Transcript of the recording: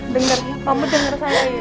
dengar ya kamu denger saya ya